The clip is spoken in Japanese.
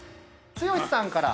剛さんから。